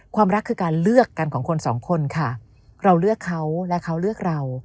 ความรักคือการเลือกกันของคนสองคนค่ะเราเลือกเขาและเขาเลือกเรา